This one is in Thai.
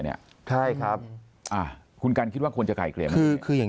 เนี้ยใช่ครับอ่ะคุณกัลคิดว่าควรจะก่ายกลิ่นคือคืออย่าง